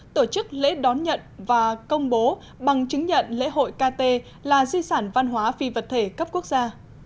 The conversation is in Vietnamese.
tổ chức lễ đón nhận và công bố bằng chứng nhận lễ hội kt là di sản văn hóa phi vật thể cấp quốc gia